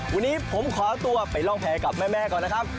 วันนี้ผมขอตัวไปร่องแพ้กับแม่ก่อนนะครับ